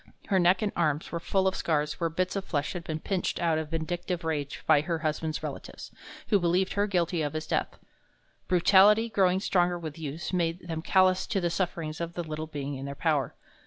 Her neck and arms were full of scars where bits of flesh had been pinched out in vindictive rage by her husband's relatives, who believed her guilty of his death. Brutality, growing stronger with use, made them callous to the sufferings of the little being in their power.